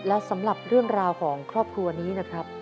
และสำหรับเรื่องราวของครอบครัวนี้นะครับ